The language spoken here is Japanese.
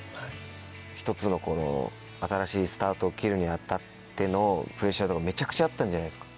１つのこの新しいスタートを切るに当たってのプレッシャーとかめちゃくちゃあったんじゃないですか？